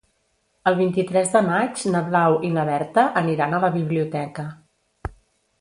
El vint-i-tres de maig na Blau i na Berta aniran a la biblioteca.